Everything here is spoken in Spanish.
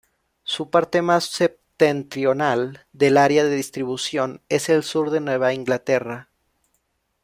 Su parte más septentrional del área de distribución es el sur de Nueva Inglaterra.